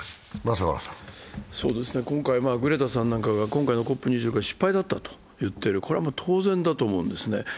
今回、グレタさんなんかが今回のＣＯＰ２６は失敗だったと言っている、これは当然だと思うんですね。